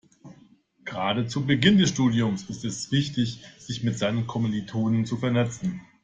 Gerade zu Beginn des Studiums ist es wichtig, sich mit seinen Kommilitonen zu vernetzen.